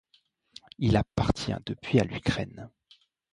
Il appartient depuis à l'Ukraine.